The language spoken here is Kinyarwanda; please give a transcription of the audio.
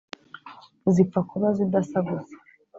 zipfa kuba zidasa gusa!